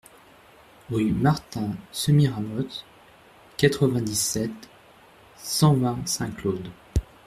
Rue Martin Semiramoth, quatre-vingt-dix-sept, cent vingt Saint-Claude